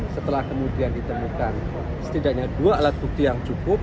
setelah kemudian ditemukan setidaknya dua alat bukti yang cukup